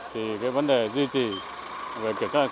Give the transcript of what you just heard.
thì cái vấn đề duy trì về kiểm soát